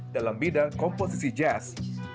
dalam bidang komposisi jazz